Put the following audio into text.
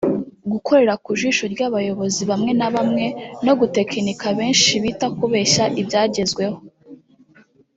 Gukorera ku ijisho ry’abayobozi bamwe n’abamwe no “gutekinika” benshi bita kubeshya ibyagezweho